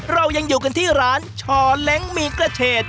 เรายังอยู่กันที่ร้านช่อเล้งหมี่กระเฉด